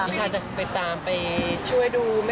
นิชาจะไปตามไปช่วยดูไหมคะ